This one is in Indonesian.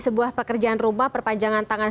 sebuah pekerjaan rumah perpanjangan tangan